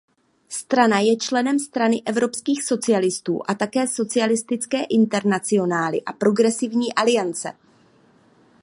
Strana je členem Strany evropských socialistů a také Socialistické internacionály a Progresivní aliance.